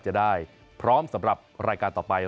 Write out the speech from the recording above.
จะได้พร้อมสำหรับรายการต่อไป